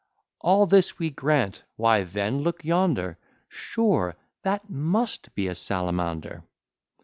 "All this we grant why then, look yonder, Sure that must be a Salamander!"